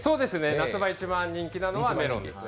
夏場、一番人気なのはメロンですね。